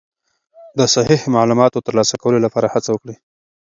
د صحیح معلوماتو ترلاسه کولو لپاره هڅه وکړئ.